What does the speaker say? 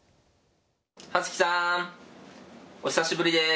葉月さん！お久しぶりです！